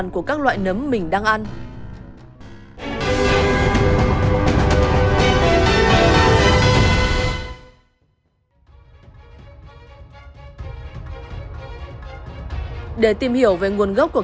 các gói nấm được để trực tiếp ở nhiệt độ thường